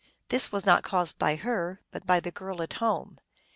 This was not caused by her, but by the girl at home.